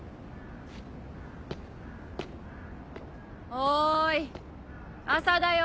おーい朝だよ。